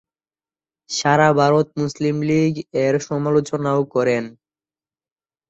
সারা ভারত মুসলিম লীগ এর সমালোচনাও করেন।